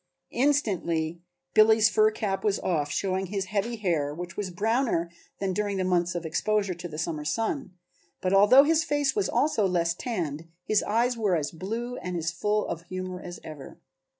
Instantly Billy's fur cap was off, showing his heavy hair, which was browner than during the months of exposure to the summer sun, but although his face was also less tanned, his eyes were as blue and as full of humor as ever.